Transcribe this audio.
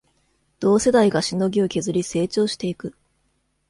同世代がしのぎを削り成長していく